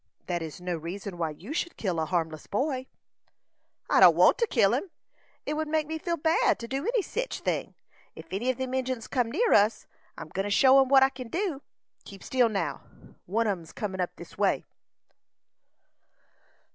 "That is no reason why you should kill a harmless boy." "I don't want to kill him; it would make me feel bad to do any sech thing. Ef any of them Injins come near us, I'm go'n to show 'em what I kin do. Keep still now; one on 'em is comin' up this way."